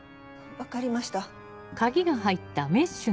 分かりました。